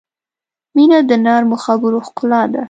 • مینه د نرمو خبرو ښکلا ده.